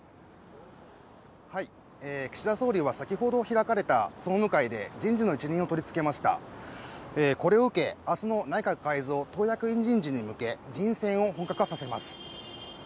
岸田総理は先ほど開かれた総務会で人事の一任を取り付けましたこれを受け明日の内閣改造党役員人事に向け人選を本格化させます